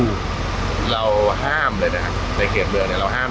เพราะว่าเมืองนี้จะเป็นที่สุดท้าย